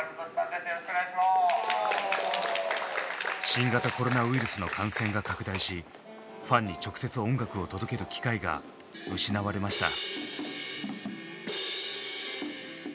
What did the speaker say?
新型コロナウイルスの感染が拡大しファンに直接音楽を届ける機会が失われました。